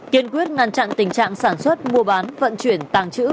kiên quyết ngăn chặn tình trạng sản xuất mua bán vận chuyển tàng trữ